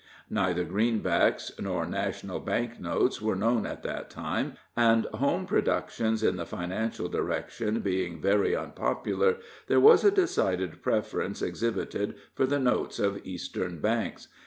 Neither greenbacks nor national bank notes were known at that time, and home productions, in the financial direction, being very unpopular, there was a decided preference exhibited for the notes of Eastern banks.